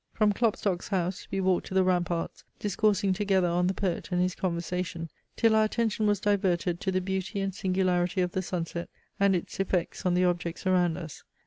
From Klopstock's house we walked to the ramparts, discoursing together on the poet and his conversation, till our attention was diverted to the beauty and singularity of the sunset and its effects on the objects around us.